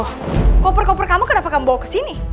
loh koper koper kamu kenapa kamu bawa kesini